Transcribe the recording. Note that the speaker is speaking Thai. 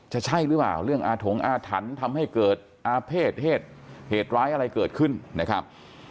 ใช่หรือเปล่าเรื่องอาถงอาถรรพ์ทำให้เกิดอาเภษเหตุร้ายอะไรเกิดขึ้นนะครับ